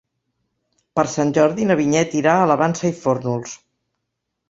Per Sant Jordi na Vinyet irà a la Vansa i Fórnols.